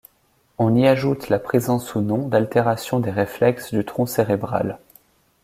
On y ajoute la présence ou non d'altération des réflexes du tronc cérébral.